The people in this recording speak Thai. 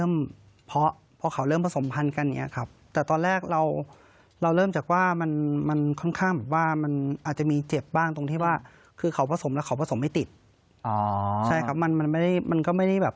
มันไม่ได้แบบแล้วได้ตกไม้เสมือนไหมครับ